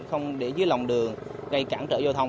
không để dưới lòng đường gây cản trở giao thông